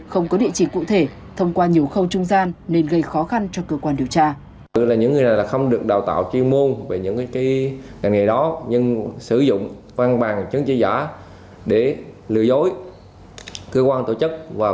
không có địa chỉ cụ thể thông qua nhiều khâu trung gian nên gây khó khăn cho cơ quan điều tra